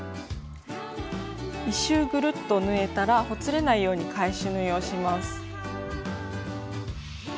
１周ぐるっと縫えたらほつれないように返し縫いをします。